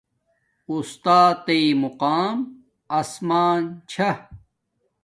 اُستات تݵ مقام اسمان چھا